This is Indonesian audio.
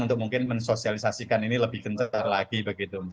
untuk mungkin mensosialisasikan ini lebih gencar lagi begitu